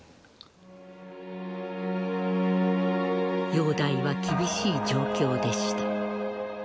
容体は厳しい状況でした。